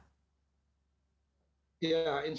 target beroperasi sendiri sebenarnya kapan pak